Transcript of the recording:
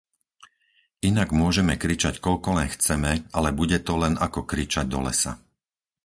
Inak môžeme kričať koľko len chceme, ale bude to len ako kričať do lesa.